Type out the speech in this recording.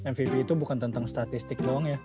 mvb itu bukan tentang statistik doang ya